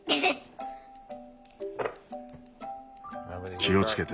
気をつけて。